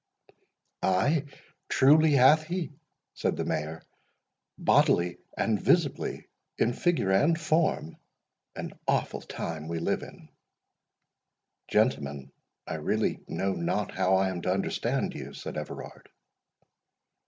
"Ay, truly hath he," said the Mayor, "bodily and visibly, in figure and form—An awful time we live in!" "Gentlemen, I really know not how I am to understand you," said Everard.